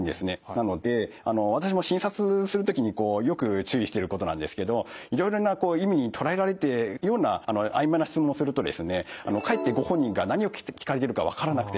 なので私も診察する時によく注意していることなんですけどいろいろな意味に捉えられていくようなあいまいな質問をするとですねかえってご本人が何を聞かれているか分からなくてですね